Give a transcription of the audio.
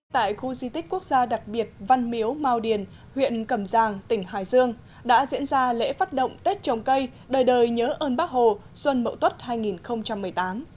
tại khu di tích quốc gia đặc biệt văn miếu mau điền huyện cầm giang tỉnh hải dương đã diễn ra lễ phát động tết trồng cây đời đời nhớ ơn bác hồ xuân mậu tuất hai nghìn một mươi tám